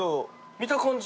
見た感じ